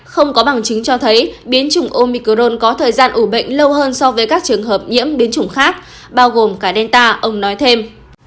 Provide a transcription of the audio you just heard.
không có bằng chứng cho thấy biến chủng omicrone có thời gian ủ bệnh lâu hơn so với các trường hợp nhiễm biến chủng khác bao gồm cả delta ông nói thêm